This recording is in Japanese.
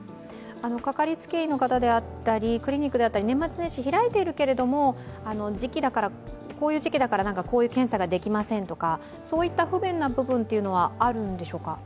かかりつけ医の方であったりクリニックであったり、年末年始開いているけれども、こういう時期だから、こういう検査ができませんとかそういった不便な部分はあるんでしょうか？